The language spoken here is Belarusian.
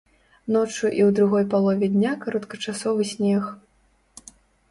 Ноччу і ў другой палове дня кароткачасовы снег.